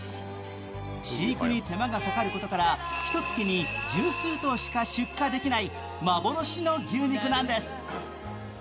飼育に手間がかかることから、ひとつきに十数頭しか出荷できない幻の牛肉なんです。